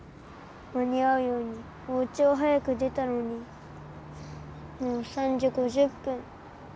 まにあうようにおうちを早く出たのにもう３じ５０ぷん。